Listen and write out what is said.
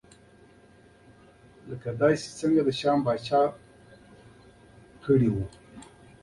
دا لکه څرنګه چې پاچا شیام پیل کړی و